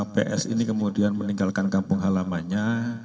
ps ini kemudian meninggalkan kampung halamannya